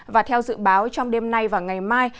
và theo dự báo trong đêm nay và ngày mai